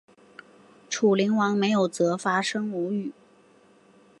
楚灵王没有责罚申无宇。